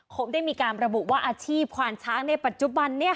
เขาได้มีการระบุว่าอาชีพควานช้างในปัจจุบันนี้